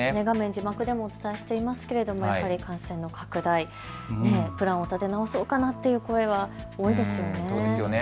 字幕でもお伝えしていますがやっぱり感染の拡大、プランを立て直そうかなという声は多いですよね。